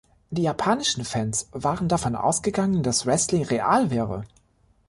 Die japanischen Fans waren davon ausgegangen, dass Wrestling „real“ wäre.